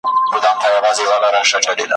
غړوي سترګي چي ویښ وي پر هر لوري ,